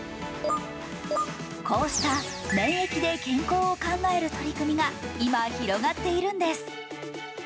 こうした免疫で健康を考える取り組みが今広がっているんです。